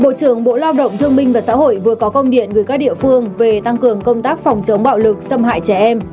bộ trưởng bộ lao động thương minh và xã hội vừa có công điện gửi các địa phương về tăng cường công tác phòng chống bạo lực xâm hại trẻ em